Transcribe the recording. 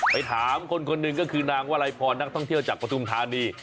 ไปถามคนคนหนึ่งก็คือนางวลัยพรนักท่องเที่ยวจากปฐุมธานี